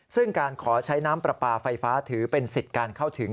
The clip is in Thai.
ซึ่งการขอใช้น้ำปลาปลาไฟฟ้าถือเป็นสิทธิ์การเข้าถึง